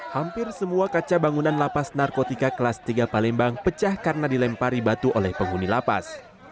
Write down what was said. hampir semua kaca bangunan lapas narkotika kelas tiga palembang pecah karena dilempari batu oleh penghuni lapas